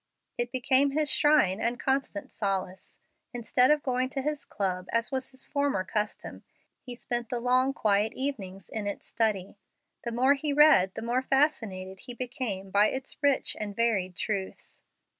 It became his shrine and constant solace. Instead of going to his club, as was his former custom, he spent the long, quiet evenings in its study. The more he read the more fascinated he became by its rich and varied truths.